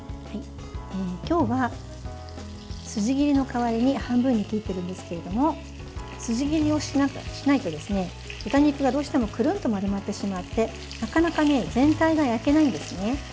今日は筋切りの代わりに半分に切っているんですけれども筋切りをしないと豚肉がどうしてもくるんと丸まってしまってなかなか全体が焼けないんですね。